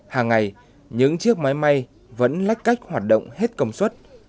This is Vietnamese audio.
hàng ngày những chiếc máy may vẫn lách cách hoạt động hết công suất